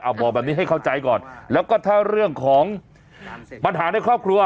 เอาบอกแบบนี้ให้เข้าใจก่อนแล้วก็ถ้าเรื่องของปัญหาในครอบครัว